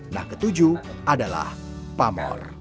nah ketujuhnya adalah bentuk atau dapur keris